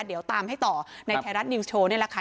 เดี๋ยวตามให้ต่อในไทยรัฐนิวสโชว์นี่แหละค่ะ